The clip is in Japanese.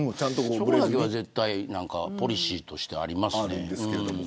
そこだけはポリシーとしてあります。